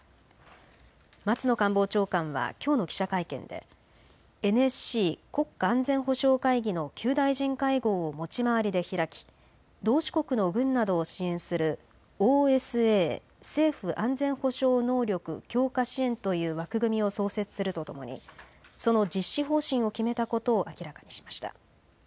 松野官房長官はきょうの記者会見でＮＳＣ・国家安全保障会議の９大臣会合を持ち回りで開き同志国の軍などを支援するＯＳＡ・政府安全保障能力強化支援という枠組みを創設するとともにその実施方針を決めたことを明らかにしました。